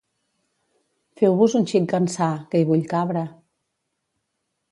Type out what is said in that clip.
Feu-vos un xic ençà, que hi vull cabre